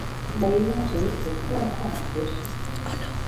梅翁人口变化图示